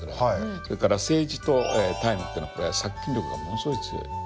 それからセージとタイムっていうのは殺菌力がものすごい強い。